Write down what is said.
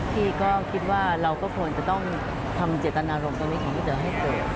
พี่ก็คิดว่าเราก็ควรจะต้องทำเจตนารมณ์ตรงนี้ของพี่เต๋อให้เกิด